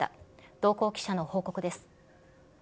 同行記者の報告です。